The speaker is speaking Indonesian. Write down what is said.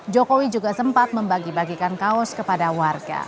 jokowi juga sempat membagi bagikan kaos kepada warga